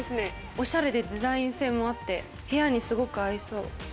オシャレでデザイン性もあって部屋にすごく合いそう。